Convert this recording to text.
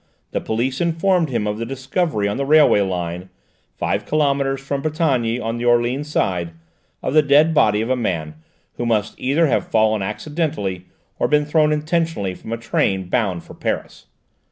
the police informed him of the discovery on the railway line, five kilomètres from Brétigny on the Orléans side, of the dead body of a man who must either have fallen accidentally or been thrown intentionally from a train bound for Paris.